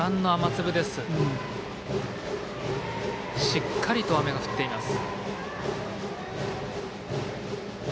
しっかりと雨が降っています。